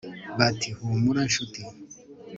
bati humura nshuti